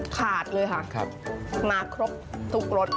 ขาดเลยค่ะมาครบทุกรถ